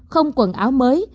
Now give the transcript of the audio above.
không quần áo mới